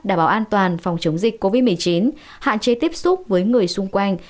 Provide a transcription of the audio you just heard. đảm bảo an toàn phòng chống dịch covid một mươi chín hạn chế tiếp xúc với người xung quanh